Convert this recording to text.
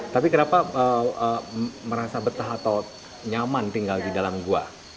tapi kenapa merasa betah atau nyaman tinggal di dalam gua